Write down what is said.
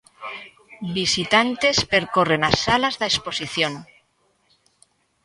Visitantes percorren as salas da exposición.